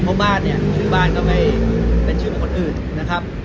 เพราะบ้านเนี่ยชื่อบ้านก็ไม่เป็นชื่อของคนอื่นนะครับ